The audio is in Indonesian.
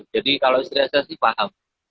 jadi kalau istri saya sih paham